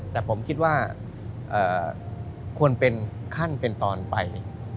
แต่ผมคิดว่าควรเป็นขั้นเป็นตอนไป